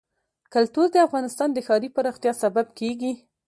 کلتور د افغانستان د ښاري پراختیا سبب کېږي.